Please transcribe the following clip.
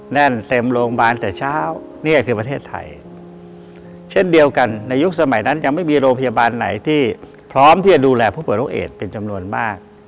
แน่นเต็มโรงพยาบาลแต่เช้านี่คือประเทศไทยเช่นเดียวกันในยุคสมัยนั้นยังไม่มีโรงพยาบาลไหนที่พร้อมที่จะดูแลผู้ป่วยโรคเอดเป็นจำนวนมาก